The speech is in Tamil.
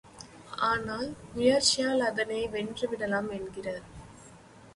ஆனால், முயற்சியால் அதனை வென்று விடலாம் என்கிறார்.